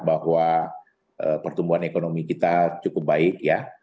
bahwa pertumbuhan ekonomi kita cukup baik ya